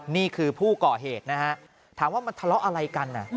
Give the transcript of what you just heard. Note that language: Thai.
นี่คือผู้ก่อเหตุนะฮะถามว่ามันทะเลาะอะไรกัน